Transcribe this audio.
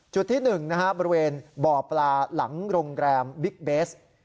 ที่๑บริเวณบ่อปลาหลังโรงแรมบิ๊กเบส